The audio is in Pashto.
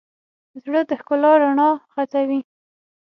زړه د ښکلا رڼا غځوي.